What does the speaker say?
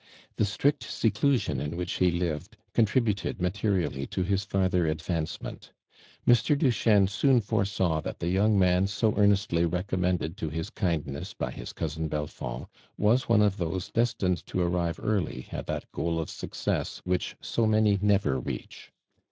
The strict seclusion m which he lived, contribut ed materially to his farther advancement. Mr. Duchesne soon foresaw tliat tlie young man so earnestly reconunended to his kind ness by his cousin Belfond, was one of those destined to arrive early at that goal of sue 74 ARMAND DURAND. If cess which m many never reach.